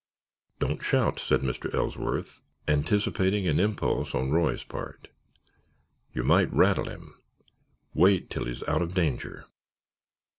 "Don't shout!" said Mr. Ellsworth, anticipating an impulse on Roy's part. "You might rattle him. Wait till he's out of danger."